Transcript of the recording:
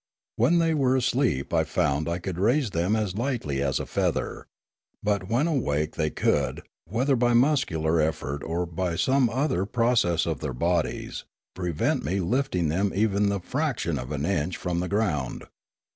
When they were asleep I found I could raise them as lightly as a feather, but when awake they could, whether by muscular effort or by some other process of their bodies, prevent me lifting thetfl even the fraction of an inch from the ground.